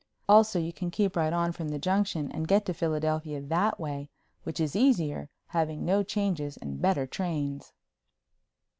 Also you can keep right on from the Junction and get to Philadelphia that way, which is easier, having no changes and better trains.